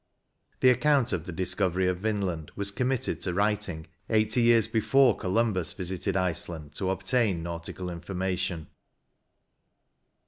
The ac count of the discovery of Vinland was committed to writing eighty years before Columbus visited Iceland to obtain nautical informatioQ.